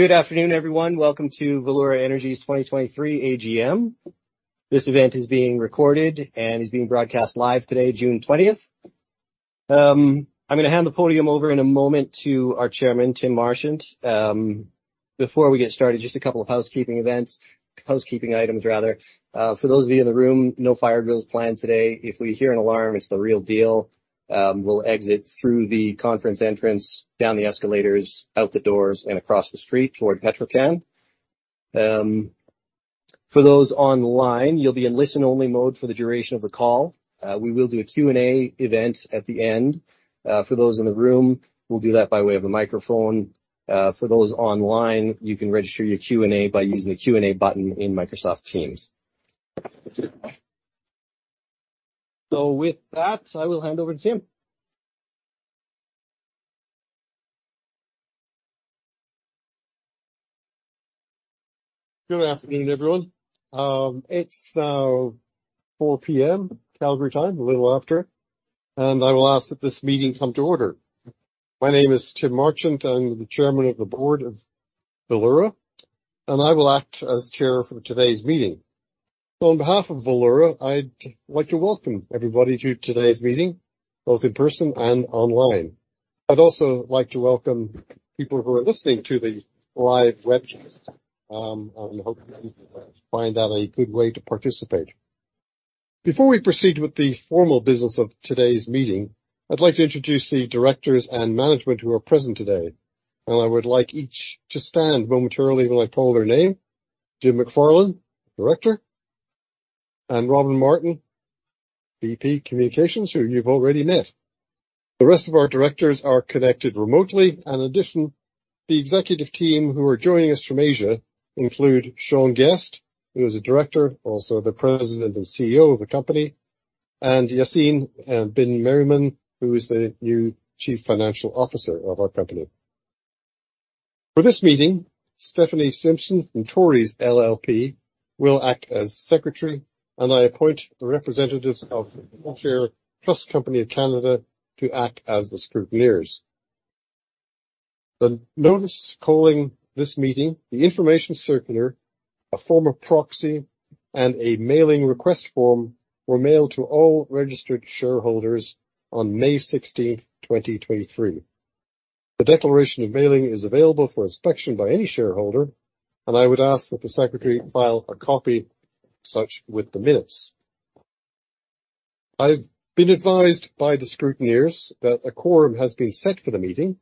Good afternoon, everyone. Welcome to Valeura Energy's 2023 AGM. This event is being recorded and is being broadcast live today, June 20th. I'm gonna hand the podium over in a moment to our Chairman, Tim Marchant. Before we get started, just a couple of housekeeping events, housekeeping items, rather. For those of you in the room, no fire drills planned today. If we hear an alarm, it's the real deal. We'll exit through the conference entrance, down the escalators, out the doors, and across the street toward Petro-Canada. For those online, you'll be in listen-only mode for the duration of the call. We will do a Q&A event at the end. For those in the room, we'll do that by way of a microphone. For those online, you can register your Q&A by using the Q&A button in Microsoft Teams. With that, I will hand over to Tim. Good afternoon, everyone. It's now 4:00 P.M., Calgary time, a little after, I will ask that this meeting come to order. My name is Tim Marchant. I'm the Chairman of the Board of Valeura, I will act as chair for today's meeting. On behalf of Valeura, I'd like to welcome everybody to today's meeting, both in person and online. I'd also like to welcome people who are listening to the live webcast. I hope you find that a good way to participate. Before we proceed with the formal business of today's meeting, I'd like to introduce the directors and management who are present today, I would like each to stand momentarily when I call their name. Jim McFarland, Director, Robin Martin, VP Communications, who you've already met. The rest of our directors are connected remotely. In addition, the executive team who are joining us from Asia include Sean Guest, who is a Director, also the President and CEO of the company, and Yacine Ben-Meriem, who is the new Chief Financial Officer of our company. For this meeting, Stephanie Stimpson from Torys LLP will act as secretary, and I appoint the representatives of the TSX Trust Company to act as the scrutineers. The notice calling this meeting, the information circular, a form of proxy, and a mailing request form were mailed to all registered shareholders on May 16th, 2023. The declaration of mailing is available for inspection by any shareholder. I would ask that the secretary file a copy, such with the minutes. I've been advised by the scrutineers that a quorum has been set for the meeting.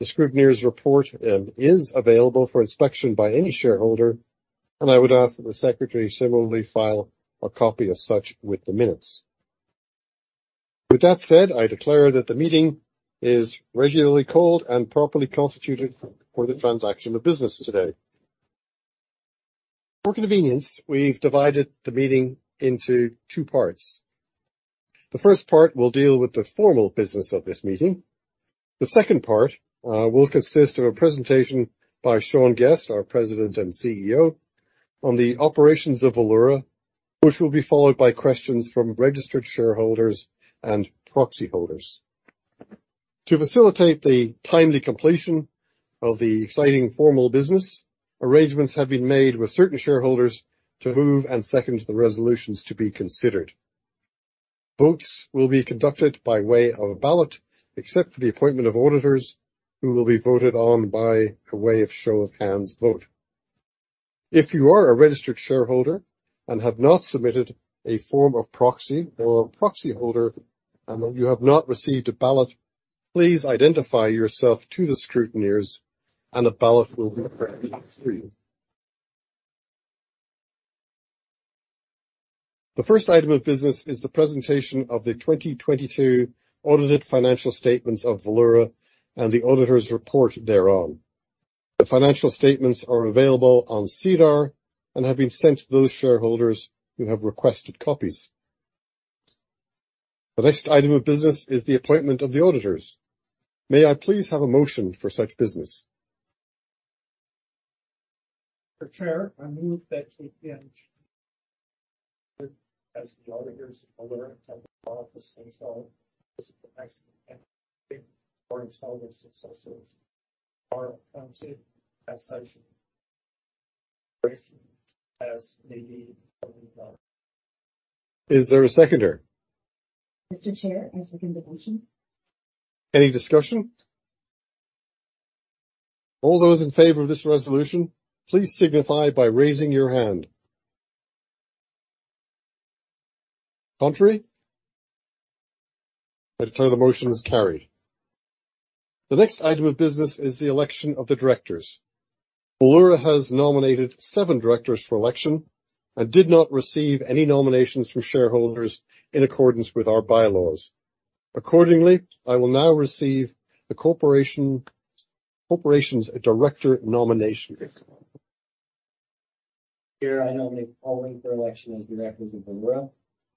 The scrutineers report, is available for inspection by any shareholder, and I would ask that the secretary similarly file a copy of such with the minutes. With that said, I declare that the meeting is regularly called and properly constituted for the transaction of business today. For convenience, we've divided the meeting into two parts. The first part will deal with the formal business of this meeting. The second part will consist of a presentation by Sean Guest, our President and CEO, on the operations of Valeura, which will be followed by questions from registered shareholders and proxy holders. To facilitate the timely completion of the exciting formal business, arrangements have been made with certain shareholders to move and second the resolutions to be considered. Votes will be conducted by way of a ballot, except for the appointment of auditors, who will be voted on by a way of show of hands vote. If you are a registered shareholder and have not submitted a form of proxy or a proxy holder, and you have not received a ballot, please identify yourself to the scrutineers and a ballot will be prepared for you. The first item of business is the presentation of the 2022 audited financial statements of Valeura and the auditors' report thereon. The financial statements are available on SEDAR and have been sent to those shareholders who have requested copies. The next item of business is the appointment of the auditors. May I please have a motion for such business? Mr. Chair, I move that KPMG as the auditors of Valeura and all of the same style, as the next, and or its successors, or comes in as such, as may be. Is there a seconder? Mr. Chair, I second the motion. Any discussion? All those in favor of this resolution, please signify by raising your hand. Contrary? I declare the motion is carried. The next item of business is the election of the directors. Valeura has nominated seven directors for election and did not receive any nominations from shareholders in accordance with our bylaws. Accordingly, I will now receive the corporation's director nomination. Here I nominate the following for election as directors of Valeura: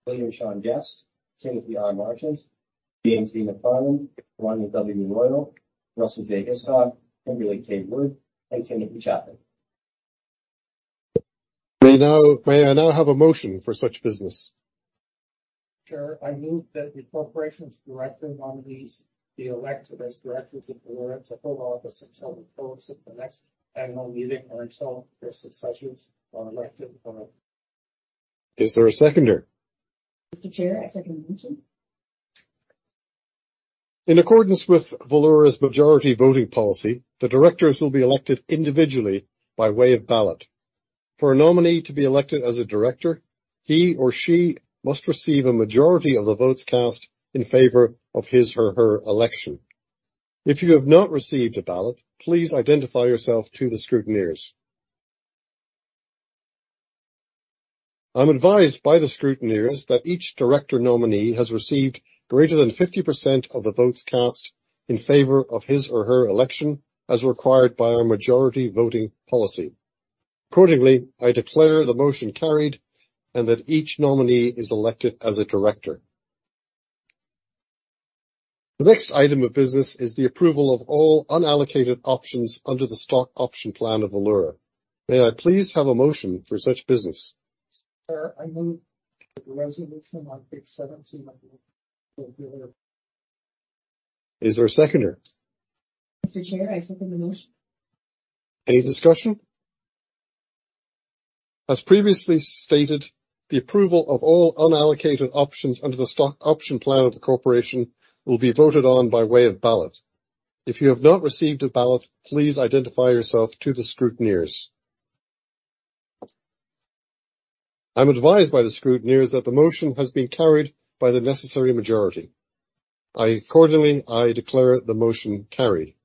William Sean Guest, Timothy R. Marchant, James D. McFarland, Ronald W. Royal, Russell J. Hiscock, Kimberley Wood, and Timothy Chapman. May I now have a motion for such business? Sure. I move that the corporation's director nominees be elected as directors of the board to hold office until the close of the next annual meeting, or until their successors are elected. Is there a seconder? Mr. Chair, I second the motion. In accordance with Valeura's majority voting policy, the directors will be elected individually by way of ballot. For a nominee to be elected as a director, he or she must receive a majority of the votes cast in favor of his or her election. If you have not received a ballot, please identify yourself to the scrutineers. I'm advised by the scrutineers that each director nominee has received greater than 50% of the votes cast in favor of his or her election, as required by our majority voting policy. Accordingly, I declare the motion carried and that each nominee is elected as a director. The next item of business is the approval of all unallocated options under the stock option plan of Valeura. May I please have a motion for such business? Sure, I move the resolution on page 17 of the- Is there a seconder? Mr. Chair, I second the motion. Any discussion? As previously stated, the approval of all unallocated options under the stock option plan of the corporation will be voted on by way of ballot. If you have not received a ballot, please identify yourself to the scrutineers. I'm advised by the scrutineers that the motion has been carried by the necessary majority. Accordingly, I declare the motion carried.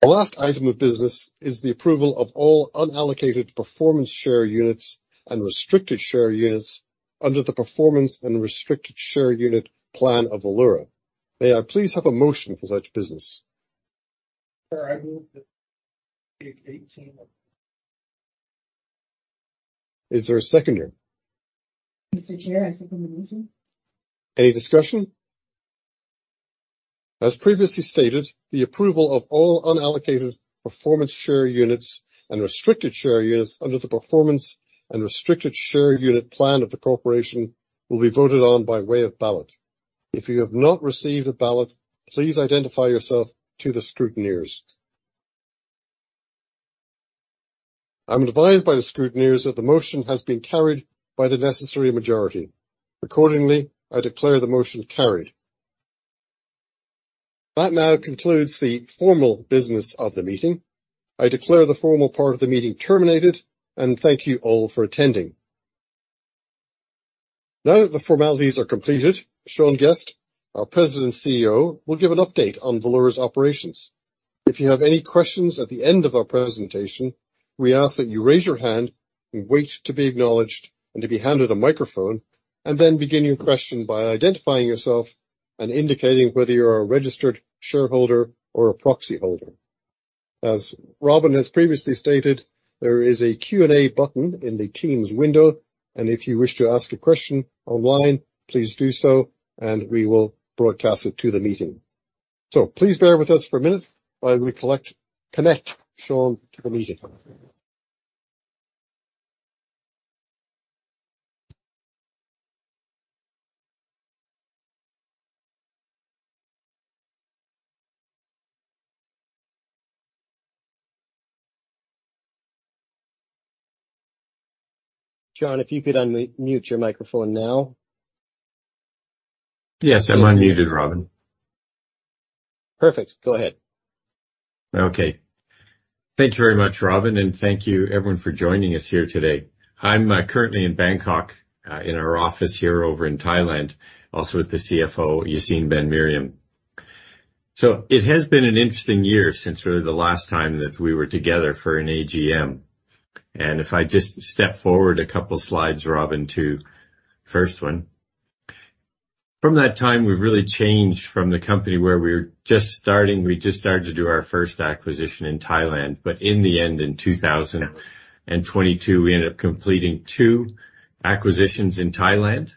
The last item of business is the approval of all unallocated performance share units and restricted share units under the performance and restricted share unit plan of Valeura. May I please have a motion for such business? Sure, I move that page 18. Is there a seconder? Mr. Chair, I second the motion. Any discussion? As previously stated, the approval of all unallocated performance share units and restricted share units under the performance and restricted share unit plan of the corporation will be voted on by way of ballot. If you have not received a ballot, please identify yourself to the scrutineers. I'm advised by the scrutineers that the motion has been carried by the necessary majority. Accordingly, I declare the motion carried. That now concludes the formal business of the meeting. I declare the formal part of the meeting terminated, and thank you all for attending. Now that the formalities are completed, Sean Guest, our President and CEO, will give an update on Valeura's operations. If you have any questions at the end of our presentation, we ask that you raise your hand and wait to be acknowledged and to be handed a microphone, and then begin your question by identifying yourself and indicating whether you're a registered shareholder or a proxy holder. As Robin has previously stated, there is a Q&A button in the teams window, and if you wish to ask a question online, please do so, and we will broadcast it to the meeting. Please bear with us for a minute while we connect Sean to the meeting. Sean, if you could unmute your microphone now. Yes, am I unmuted, Robin? Perfect. Go ahead. Okay. Thank you very much, Robin, and thank you everyone for joining us here today. I'm currently in Bangkok, in our office here over in Thailand, also with the CFO, Yacine Ben-Meriem. It has been an interesting year since really the last time that we were together for an AGM. If I just step forward a couple slides, Robin, to the first one. From that time, we've really changed from the company where we're just starting. We just started to do our first acquisition in Thailand, but in the end, in 2022, we ended up completing two acquisitions in Thailand.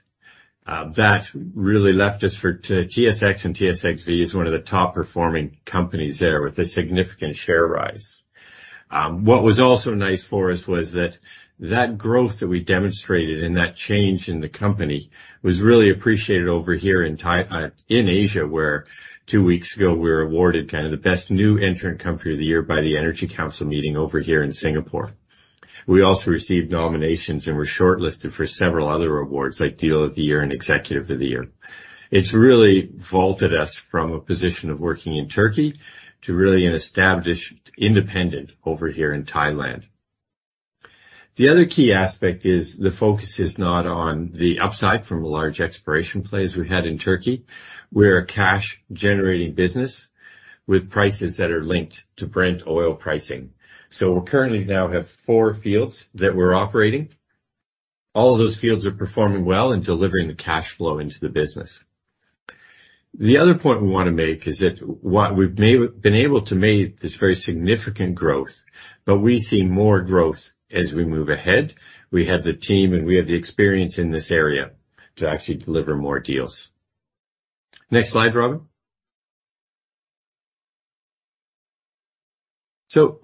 That really left us for to TSX and TSXV is one of the top performing companies there with a significant share rise. What was also nice for us was that growth that we demonstrated and that change in the company was really appreciated over here in Asia, where 2 weeks ago we were awarded kind of the best new entrant company of the year by the Energy Council meeting over here in Singapore. We also received nominations and were shortlisted for several other awards, like Deal of the Year and Executive of the Year. It's really vaulted us from a position of working in Turkey to really an established independent over here in Thailand. The other key aspect is the focus is not on the upside from a large exploration play as we had in Turkey. We're a cash-generating business with prices that are linked to Brent oil pricing. We currently now have 4 fields that we're operating. All of those fields are performing well and delivering the cash flow into the business. The other point we wanna make is that we've been able to make this very significant growth. We see more growth as we move ahead. We have the team. We have the experience in this area to actually deliver more deals. Next slide, Robin.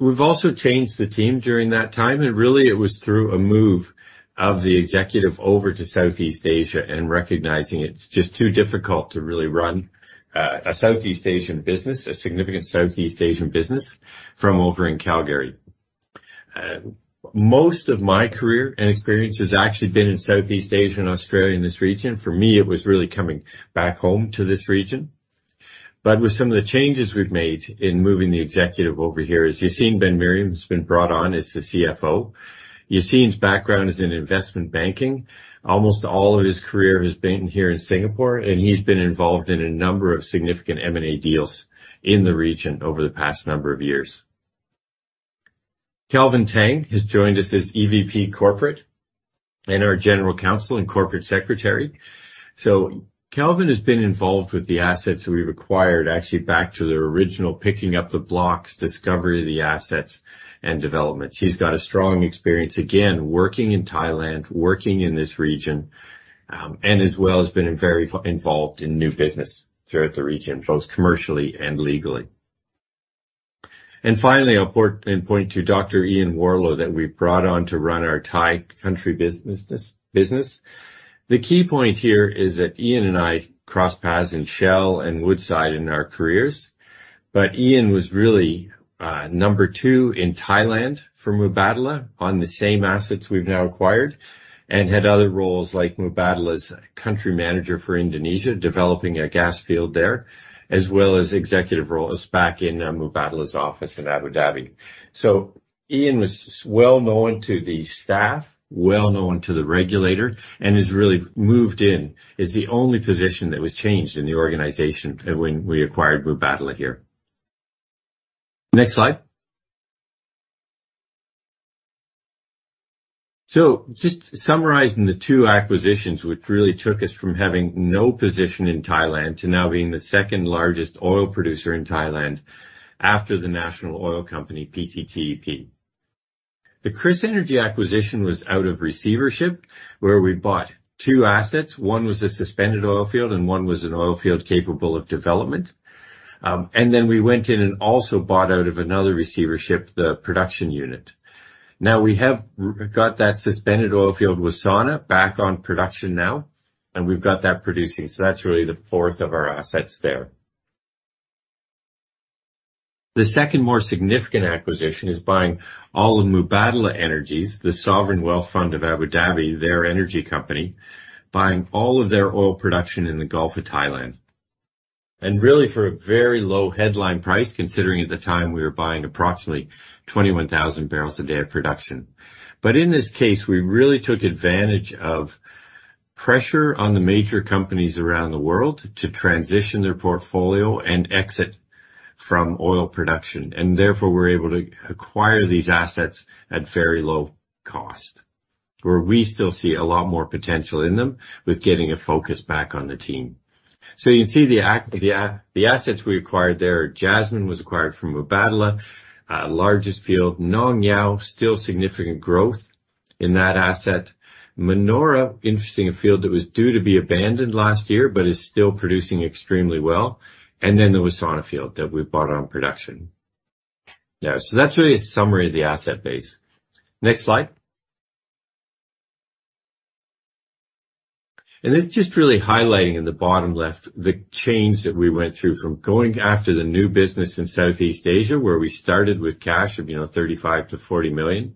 We've also changed the team during that time. Really, it was through a move of the executive over to Southeast Asia and recognizing it's just too difficult to really run a Southeast Asian business, a significant Southeast Asian business, from over in Calgary. Most of my career and experience has actually been in Southeast Asia and Australia, in this region. For me, it was really coming back home to this region. With some of the changes we've made in moving the executive over here is Yacine Ben-Meriem's been brought on as the CFO. Yacine's background is in investment banking. Almost all of his career has been here in Singapore, and he's been involved in a number of significant M&A deals in the region over the past number of years. Kelvin Tang has joined us as EVP Corporate and our General Counsel and Corporate Secretary. Kelvin has been involved with the assets we've acquired, actually back to the original, picking up the blocks, discovery of the assets, and development. He's got a strong experience, again, working in Thailand, working in this region, and as well, has been very involved in new business throughout the region, both commercially and legally. Finally, I'll point to Dr. Ian Warrilow, that we brought on to run our Thai country business. The key point here is that Ian and I crossed paths in Shell and Woodside in our careers, but Ian was really number two in Thailand for Mubadala on the same assets we've now acquired, and had other roles like Mubadala's Country Manager for Indonesia, developing a gas field there, as well as executive roles back in Mubadala's office in Abu Dhabi. Ian was well known to the staff, well known to the regulator, and has really moved in. It's the only position that was changed in the organization when we acquired Mubadala here. Next slide. Just summarizing the two acquisitions, which really took us from having no position in Thailand to now being the second-largest oil producer in Thailand after the national oil company, PTTEP. The KrisEnergy acquisition was out of receivership, where we bought 2 assets. 1 was a suspended oil field, and 1 was an oil field capable of development. Then we went in and also bought out of another receivership, the production unit. We have got that suspended oil field, Wassana, back on production now, and we've got that producing. That's really the fourth of our assets there. The second more significant acquisition is buying all of Mubadala Energy, the sovereign wealth fund of Abu Dhabi, their energy company, buying all of their oil production in the Gulf of Thailand. Really for a very low headline price, considering at the time, we were buying approximately 21,000 barrels a day of production. In this case, we really took advantage of pressure on the major companies around the world to transition their portfolio and exit from oil production. Therefore, we're able to acquire these assets at very low cost, where we still see a lot more potential in them with getting a focus back on the team. You can see the assets we acquired there. Jasmine was acquired from Mubadala, largest field. Nong Yao, still significant growth in that asset. Manora, interesting field that was due to be abandoned last year, but is still producing extremely well. Then the Wassana field that we've bought on production. That's really a summary of the asset base. Next slide. This is just really highlighting in the bottom left, the change that we went through from going after the new business in Southeast Asia, where we started with cash of, you know, $35 million-$40 million,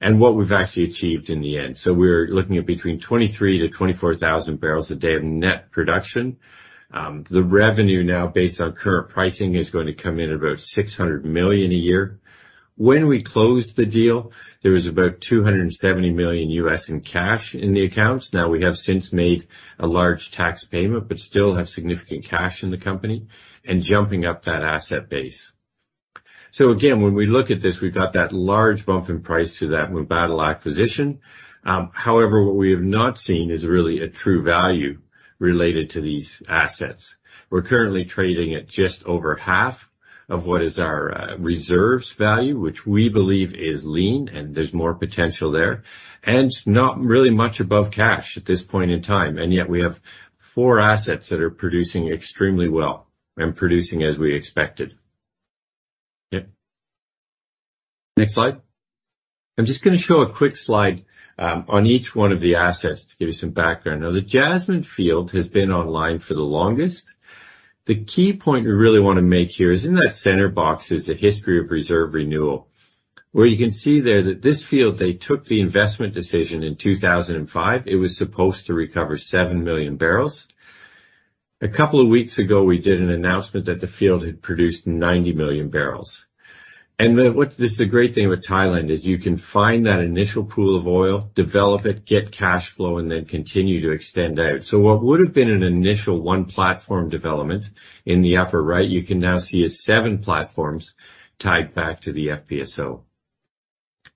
and what we've actually achieved in the end. We're looking at between 23,000-24,000 barrels a day of net production. The revenue now, based on current pricing, is going to come in about $600 million a year. When we closed the deal, there was about $270 million in cash in the accounts. Now, we have since made a large tax payment, but still have significant cash in the company and jumping up that asset base. Again, when we look at this, we've got that large bump in price to that Mubadala acquisition. However, what we have not seen is really a true value related to these assets. We're currently trading at just over half of what is our reserves value, which we believe is lean, and there's more potential there. Not really much above cash at this point in time, and yet we have 4 assets that are producing extremely well and producing as we expected. Yeah. Next slide. I'm just gonna show a quick slide on each one of the assets to give you some background. Now, the Jasmine field has been online for the longest. The key point we really want to make here is in that center box, is a history of reserve renewal, where you can see there that this field, they took the investment decision in 2005. It was supposed to recover 7 million barrels. A couple of weeks ago, we did an announcement that the field had produced 90 million barrels. The great thing with Thailand is you can find that initial pool of oil, develop it, get cash flow, and then continue to extend out. What would have been an initial 1-platform development in the upper right, you can now see is 7 platforms tied back to the FPSO.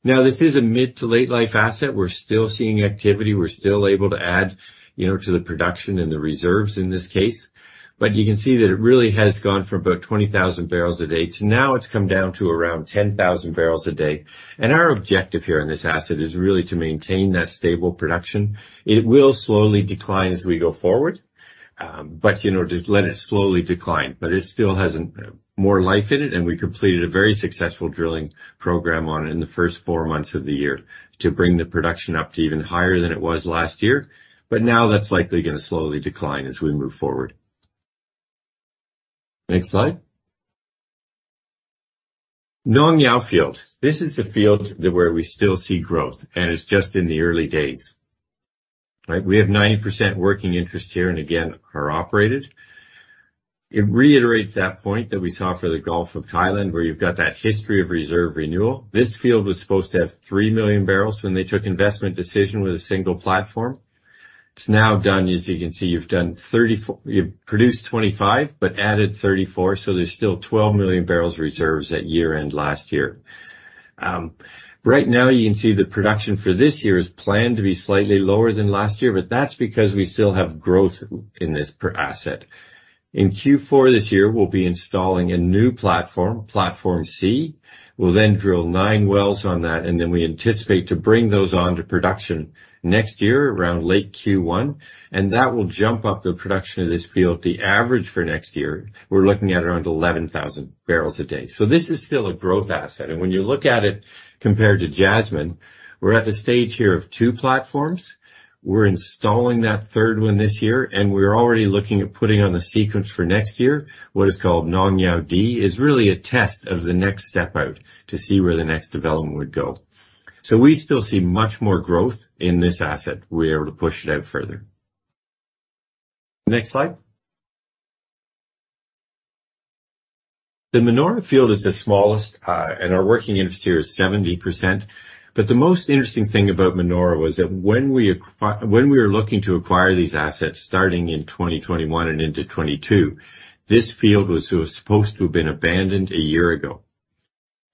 This is a mid to late life asset. We're still seeing activity, we're still able to add, you know, to the production and the reserves in this case. You can see that it really has gone from about 20,000 barrels a day to now it's come down to around 10,000 barrels a day. Our objective here in this asset is really to maintain that stable production. It will slowly decline as we go forward, you know, just let it slowly decline. It still has more life in it, and we completed a very successful drilling program on it in the first four months of the year to bring the production up to even higher than it was last year. Now that's likely gonna slowly decline as we move forward. Next slide. Nong Yao field. This is a field that where we still see growth, and it's just in the early days, right? We have 90% working interest here, and again, are operated. It reiterates that point that we saw for the Gulf of Thailand, where you've got that history of reserve renewal. This field was supposed to have 3 million barrels when they took investment decision with a single platform. It's now done, as you can see, you've produced 25, but added 34, so there's still 12 million barrels reserves at year end last year. Right now, you can see the production for this year is planned to be slightly lower than last year, but that's because we still have growth in this per asset. In Q4 this year, we'll be installing a new platform, Platform C. We'll then drill nine wells on that, and then we anticipate to bring those on to production next year, around late Q1, and that will jump up the production of this field. The average for next year, we're looking at around 11,000 barrels a day. This is still a growth asset. When you look at it compared to Jasmine, we're at the stage here of two platforms. We're installing that 3rd one this year, and we're already looking at putting on the sequence for next year. What is called Nong Yao D is really a test of the next step out to see where the next development would go. We still see much more growth in this asset. We're able to push it out further. Next slide. The Manora field is the smallest, and our working interest here is 70%. The most interesting thing about Manora was that when we were looking to acquire these assets starting in 2021 and into 2022, this field was supposed to have been abandoned a year ago,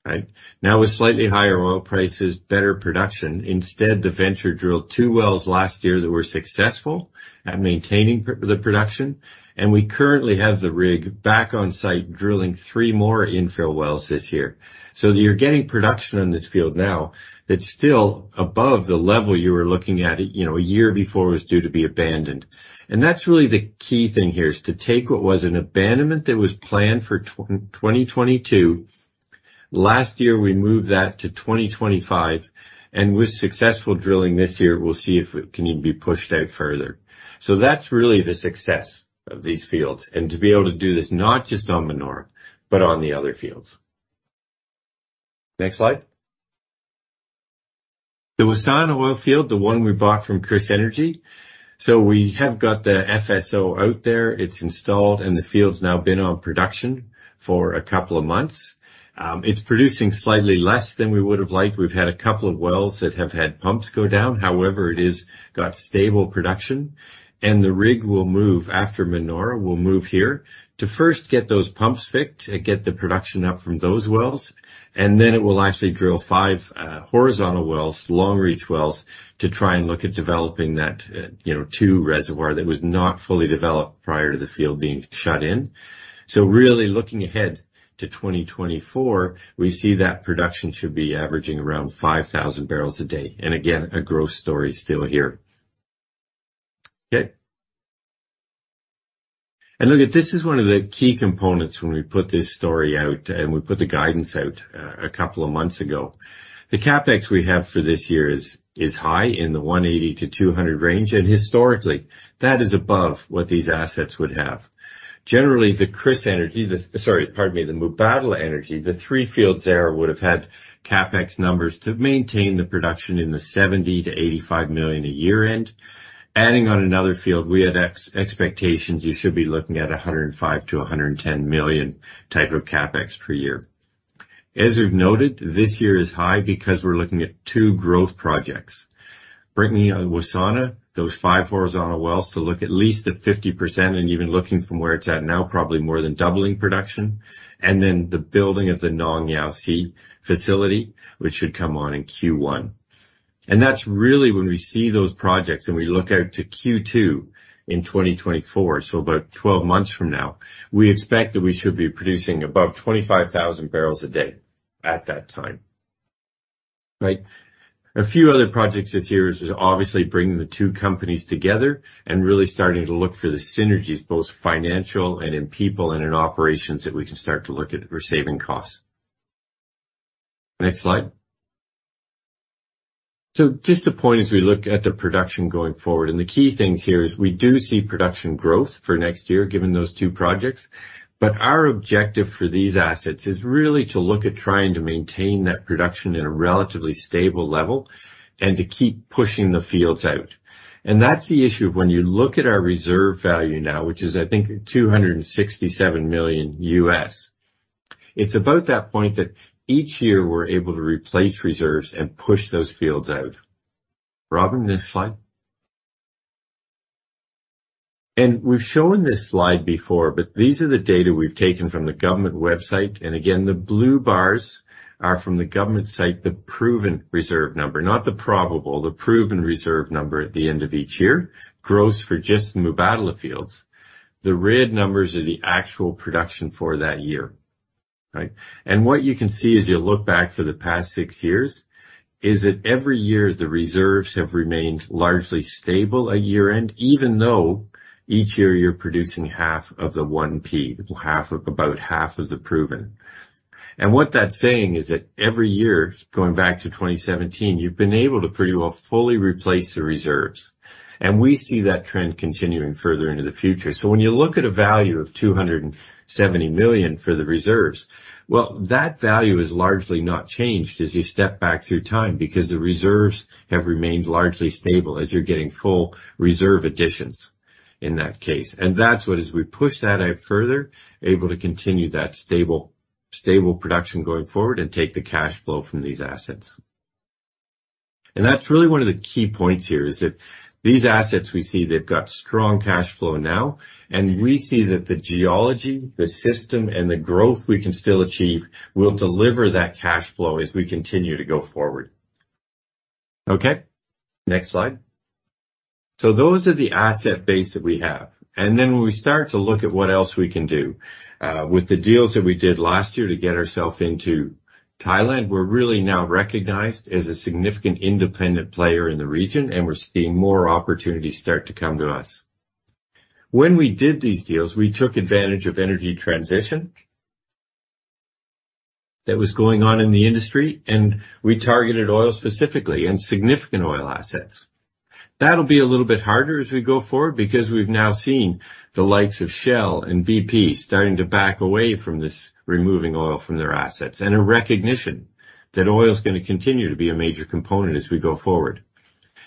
right? Now, with slightly higher oil prices, better production. Instead, the venture drilled 2 wells last year that were successful at maintaining the production. We currently have the rig back on site, drilling 3 more infill wells this year. You're getting production on this field now that's still above the level you were looking at, you know, a year before it was due to be abandoned. That's really the key thing here, is to take what was an abandonment that was planned for 2022. Last year, we moved that to 2025. With successful drilling this year, we'll see if it can even be pushed out further. That's really the success of these fields, and to be able to do this not just on Manora, but on the other fields. Next slide. The Wassana oil field, the one we bought from KrisEnergy. We have got the FSO out there. It's installed. The field's now been on production for a couple of months. It's producing slightly less than we would have liked. We've had a couple of wells that have had pumps go down. However, it is got stable production, and the rig will move, after Manora, will move here to first get those pumps fixed, to get the production up from those wells, and then it will actually drill 5 horizontal wells, long reach wells, to try and look at developing that, you know, 2 reservoir that was not fully developed prior to the field being shut in. Really looking ahead to 2024, we see that production should be averaging around 5,000 barrels a day. Again, a growth story still here. Okay. Look, this is one of the key components when we put this story out and we put the guidance out, a couple of months ago. The CapEx we have for this year is high in the $180 million-$200 million range, and historically, that is above what these assets would have. Generally, the KrisEnergy, the Mubadala Energy, the three fields there would have had CapEx numbers to maintain the production in the $70 million-$85 million a year end. Adding on another field, we had expectations you should be looking at a $105 million-$110 million type of CapEx per year. As we've noted, this year is high because we're looking at two growth projects. Bringing on Wassana, those five horizontal wells to look at least at 50%, and even looking from where it's at now, probably more than doubling production. Then the building of the Nong Yao C facility, which should come on in Q1. That's really when we see those projects and we look out to Q2 in 2024, so about 12 months from now, we expect that we should be producing above 25,000 barrels a day at that time, right? A few other projects this year is obviously bringing the two companies together and really starting to look for the synergies, both financial and in people and in operations, that we can start to look at for saving costs. Next slide. Just a point as we look at the production going forward, and the key things here is we do see production growth for next year, given those two projects. Our objective for these assets is really to look at trying to maintain that production in a relatively stable level and to keep pushing the fields out. That's the issue of when you look at our reserve value now, which is, I think, $267 million USD, it's about that point that each year we're able to replace reserves and push those fields out. Robin, next slide. We've shown this slide before, but these are the data we've taken from the government website. Again, the blue bars are from the government site, the proven reserve number, not the probable, the proven reserve number at the end of each year, gross for just Mubadala fields. The red numbers are the actual production for that year, right? What you can see as you look back for the past six years, is that every year, the reserves have remained largely stable at year-end, even though each year you're producing half of the 1P, half of about half of the proven. What that's saying is that every year, going back to 2017, you've been able to pretty well fully replace the reserves. We see that trend continuing further into the future. When you look at a value of $270 million for the reserves, well, that value is largely not changed as you step back through time, because the reserves have remained largely stable as you're getting full reserve additions in that case. That's what, as we push that out further, able to continue that stable production going forward and take the cash flow from these assets. That's really one of the key points here, is that these assets we see, they've got strong cash flow now, and we see that the geology, the system, and the growth we can still achieve will deliver that cash flow as we continue to go forward. Okay, next slide. Those are the asset base that we have. When we start to look at what else we can do with the deals that we did last year to get ourselves into Thailand, we're really now recognized as a significant independent player in the region, and we're seeing more opportunities start to come to us. When we did these deals, we took advantage of energy transition that was going on in the industry, and we targeted oil specifically and significant oil assets. That'll be a little bit harder as we go forward because we've now seen the likes of Shell and BP starting to back away from this, removing oil from their assets, and a recognition that oil is gonna continue to be a major component as we go forward.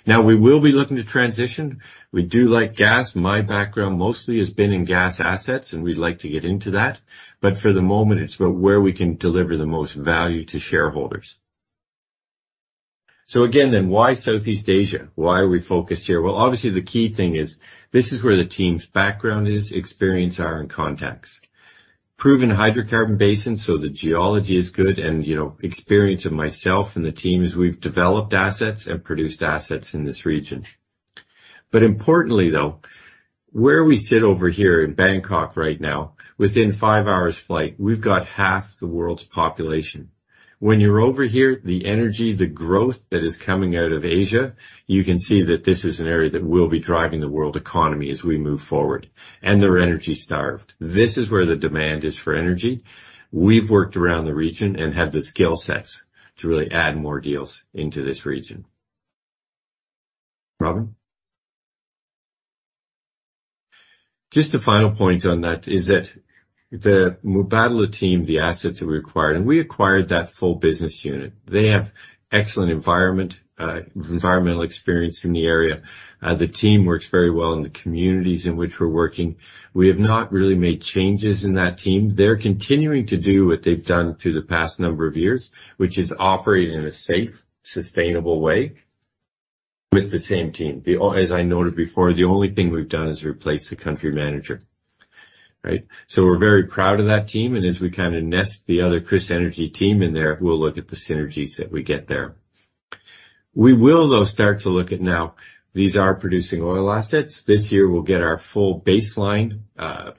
We will be looking to transition. We do like gas. My background mostly has been in gas assets, and we'd like to get into that. For the moment, it's about where we can deliver the most value to shareholders. Again, then why Southeast Asia? Why are we focused here? Obviously, the key thing is, this is where the team's background is, experience are in contacts. Proven hydrocarbon basin, so the geology is good, and, you know, experience of myself and the team as we've developed assets and produced assets in this region. Importantly, though, where we sit over here in Bangkok right now, within 5 hours flight, we've got half the world's population. When you're over here, the energy, the growth that is coming out of Asia, you can see that this is an area that will be driving the world economy as we move forward, and they're energy starved. This is where the demand is for energy. We've worked around the region and have the skill sets to really add more deals into this region. Robin? Just a final point on that is that the Mubadala team, the assets that we acquired, and we acquired that full business unit. They have excellent environmental experience in the area. The team works very well in the communities in which we're working. We have not really made changes in that team. They're continuing to do what they've done through the past number of years, which is operate in a safe, sustainable way with the same team. As I noted before, the only thing we've done is replace the country manager. Right? We're very proud of that team, and as we kinda nest the other KrisEnergy team in there, we'll look at the synergies that we get there. We will, though, start to look at now. These are producing oil assets. This year, we'll get our full baseline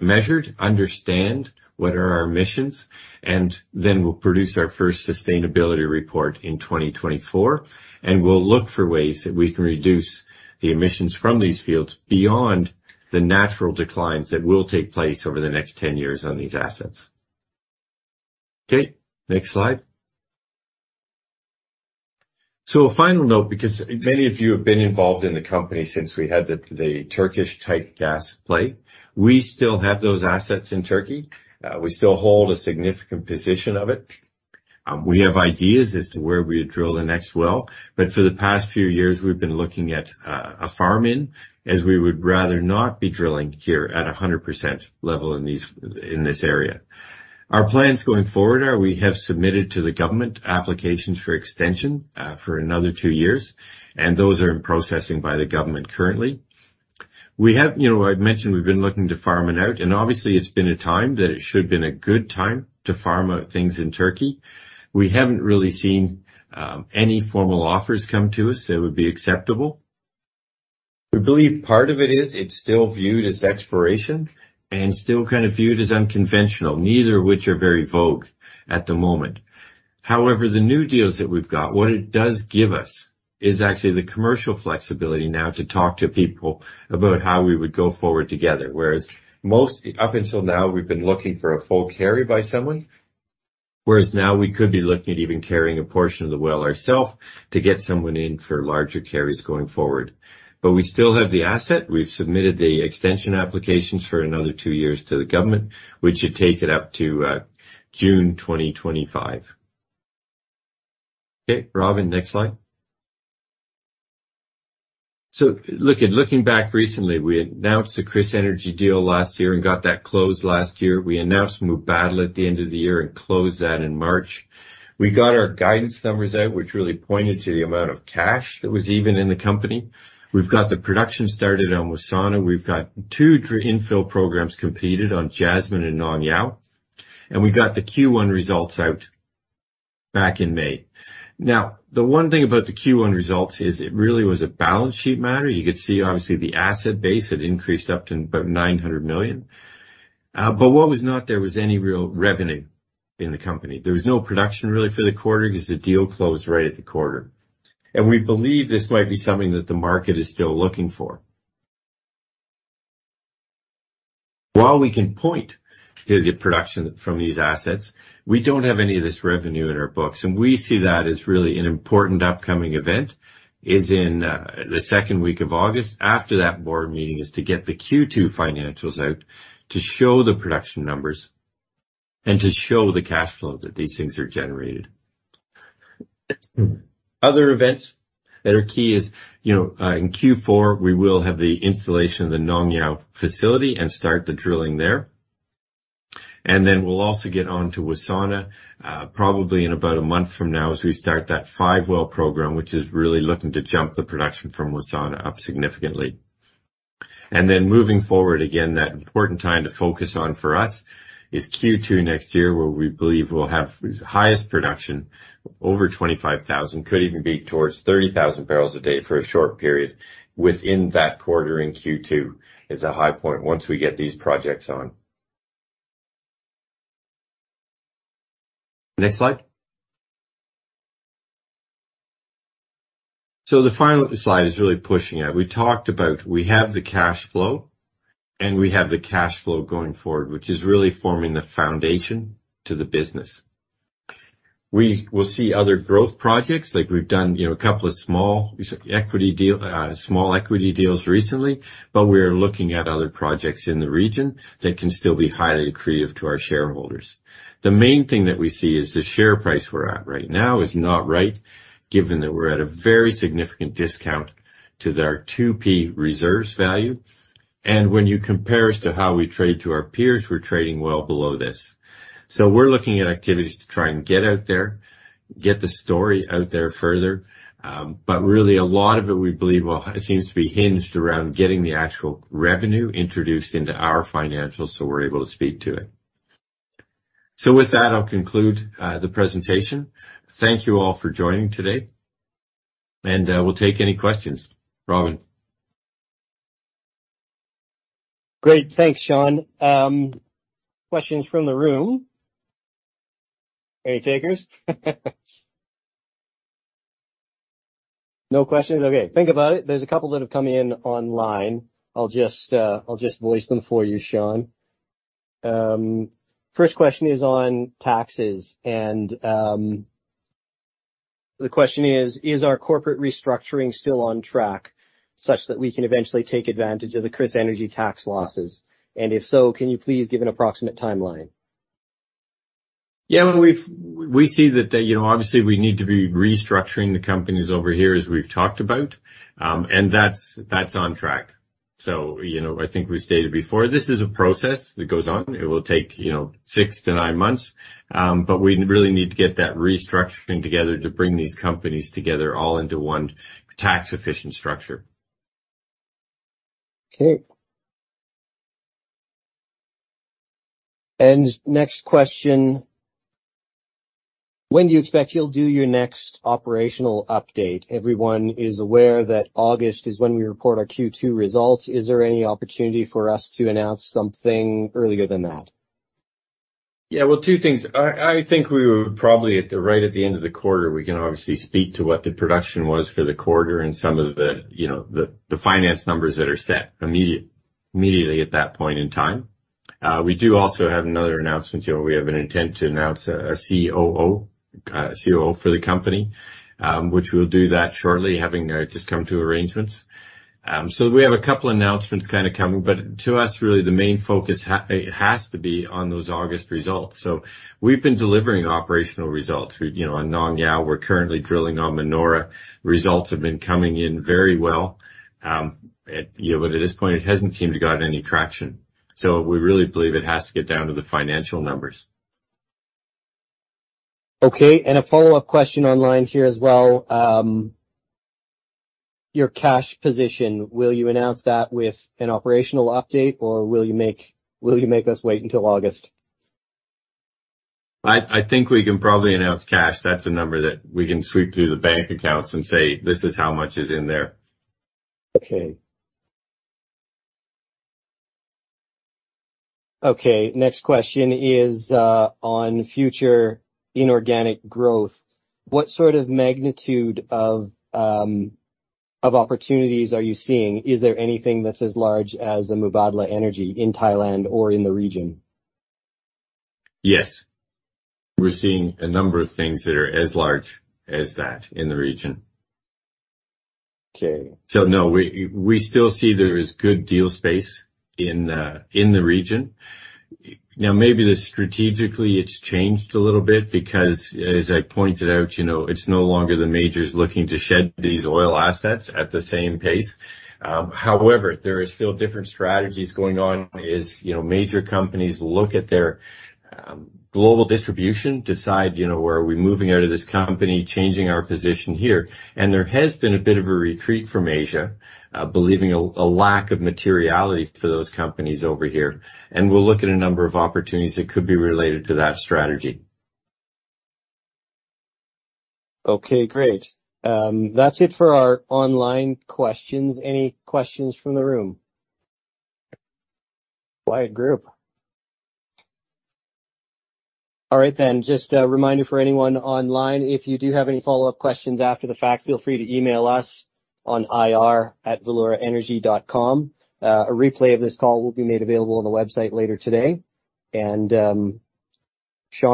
measured, understand what are our emissions, and then we'll produce our first sustainability report in 2024, and we'll look for ways that we can reduce the emissions from these fields beyond the natural declines that will take place over the next 10 years on these assets. Okay, next slide. A final note, because many of you have been involved in the company since we had the Turkish tight gas play. We still have those assets in Turkey. We still hold a significant position of it. We have ideas as to where we would drill the next well, but for the past few years, we've been looking at a farm-in, as we would rather not be drilling here at a 100% level in these, in this area. Our plans going forward are we have submitted to the government applications for extension, for another two years, and those are in processing by the government currently. We have, you know, I've mentioned we've been looking to farm it out, and obviously, it's been a time that it should have been a good time to farm out things in Turkey. We haven't really seen, any formal offers come to us that would be acceptable. We believe part of it is it's still viewed as exploration and still kind of viewed as unconventional, neither of which are very vogue at the moment. The new deals that we've got, what it does give us is actually the commercial flexibility now to talk to people about how we would go forward together. Most, up until now, we've been looking for a full carry by someone. Whereas now we could be looking at even carrying a portion of the well ourself to get someone in for larger carries going forward. We still have the asset. We've submitted the extension applications for another two years to the government, which should take it up to June 2025. Robin, next slide. Looking back recently, we announced the KrisEnergy deal last year and got that closed last year. We announced Mubadala at the end of the year and closed that in March. We got our guidance numbers out, which really pointed to the amount of cash that was even in the company. We've got the production started on Wassana. We've got two infill programs completed on Jasmine and Nong Yao. We got the Q1 results out back in May. Now, the one thing about the Q1 results is it really was a balance sheet matter. You could see, obviously, the asset base had increased up to about $900 million. But what was not there was any real revenue in the company. There was no production really for the quarter because the deal closed right at the quarter. We believe this might be something that the market is still looking for. While we can point to the production from these assets, we don't have any of this revenue in our books, and we see that as really an important upcoming event, is in the second week of August, after that board meeting, is to get the Q2 financials out, to show the production numbers and to show the cash flows that these things are generated. Other events that are key is, you know, in Q4, we will have the installation of the Nong Yao facility and start the drilling there. Then we'll also get on to Wassana, probably in about a month from now, as we start that 5-well program, which is really looking to jump the production from Wassana up significantly. Then moving forward, again, that important time to focus on for us is Q2 next year, where we believe we'll have the highest production, over 25,000, could even be towards 30,000 barrels a day for a short period within that quarter in Q2. It's a high point once we get these projects on. Next slide. The final slide is really pushing out. We talked about we have the cash flow, and we have the cash flow going forward, which is really forming the foundation to the business. We will see other growth projects, like we've done, you know, a couple of small equity deals recently, but we're looking at other projects in the region that can still be highly accretive to our shareholders. The main thing that we see is the share price we're at right now is not right, given that we're at a very significant discount to their 2P reserves value. When you compare as to how we trade to our peers, we're trading well below this. We're looking at activities to try and get out there, get the story out there further, but really a lot of it, we believe, seems to be hinged around getting the actual revenue introduced into our financials, so we're able to speak to it. With that, I'll conclude the presentation. Thank you all for joining today, and we'll take any questions. Robin? Great. Thanks, Sean. Questions from the room. Any takers? No questions. Okay, think about it. There's a couple that have come in online. I'll just, I'll just voice them for you, Sean. First question is on taxes. The question is: "Is our corporate restructuring still on track such that we can eventually take advantage of the KrisEnergy tax losses? If so, can you please give an approximate timeline? Yeah, well, we see that, you know, obviously, we need to be restructuring the companies over here, as we've talked about, and that's on track. You know, I think we stated before, this is a process that goes on. It will take, you know, 6-9 months, we really need to get that restructuring together to bring these companies together all into one tax-efficient structure. Okay. Next question: "When do you expect you'll do your next operational update? Everyone is aware that August is when we report our Q2 results. Is there any opportunity for us to announce something earlier than that? Well, two things. I think we were probably at the right at the end of the quarter, we can obviously speak to what the production was for the quarter and some of the, you know, the finance numbers that are set immediately at that point in time. We do also have another announcement here. We have an intent to announce a COO for the company, which we'll do that shortly, having just come to arrangements. We have a couple announcements kind of coming, but to us, really, the main focus has to be on those August results. We've been delivering operational results. We, you know, on Nong Yao, we're currently drilling on Manora. Results have been coming in very well. At this point, it hasn't seemed to have gotten any traction, so we really believe it has to get down to the financial numbers. Okay, a follow-up question online here as well. Your cash position, will you announce that with an operational update, or will you make us wait until August? I think we can probably announce cash. That's a number that we can sweep through the bank accounts and say, "This is how much is in there. Okay, next question is on future inorganic growth. What sort of magnitude of opportunities are you seeing? Is there anything that's as large as the Mubadala Energy in Thailand or in the region? Yes. We're seeing a number of things that are as large as that in the region. Okay. No, we still see there is good deal space in the region. Maybe the strategically, it's changed a little bit because, as I pointed out, you know, it's no longer the majors looking to shed these oil assets at the same pace. However, there is still different strategies going on, as, you know, major companies look at their global distribution, decide, you know, where are we moving out of this company, changing our position here. There has been a bit of a retreat from Asia, believing a lack of materiality for those companies over here. We'll look at a number of opportunities that could be related to that strategy. Okay, great. That's it for our online questions. Any questions from the room? Quiet group. All right, just a reminder for anyone online, if you do have any follow-up questions after the fact, feel free to email us on ir@valeuraenergy.com. A replay of this call will be made available on the website later today. Sean,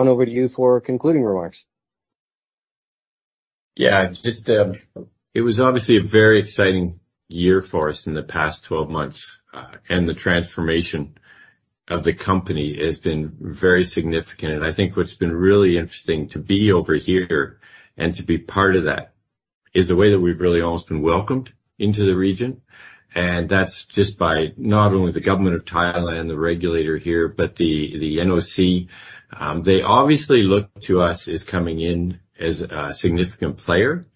over to you for concluding remarks. Yeah, just, it was obviously a very exciting year for us in the past 12 months, and the transformation of the company has been very significant. I think what's been really interesting to be over here and to be part of that, is the way that we've really almost been welcomed into the region, and that's just by not only the government of Thailand, the regulator here, but the NOC. They obviously look to us as coming in as a significant player.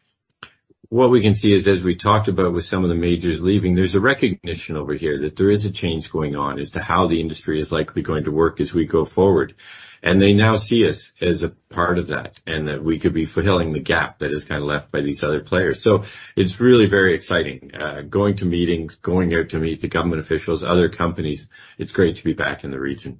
What we can see is, as we talked about with some of the majors leaving, there's a recognition over here that there is a change going on as to how the industry is likely going to work as we go forward. They now see us as a part of that, and that we could be filling the gap that is kind of left by these other players. It's really very exciting. Going to meetings, going there to meet the government officials, other companies. It's great to be back in the region.